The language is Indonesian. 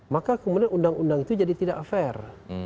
maka kemudian undang undang itu jadi tidak fair